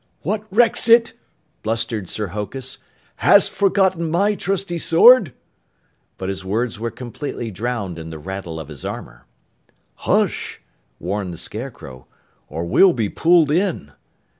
"What recks it?" blustered Sir Hokus. "Hast forgotten my trusty sword?" But his words were completely drowned in the rattle of his armor. "Hush!" warned the Scarecrow, "Or we'll be pulled in."